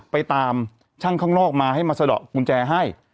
ไปตามช่างข้างนอกมาให้มาสะดอกกุญแจให้